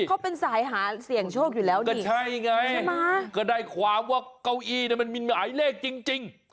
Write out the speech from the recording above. เขาเป็นสายหาเสี่ยงโชคอยู่แล้วไงก็ใช่ไงใช่ไหมก็ได้ความว่าเก้าอี้มันมีหมายเลขจริงจริง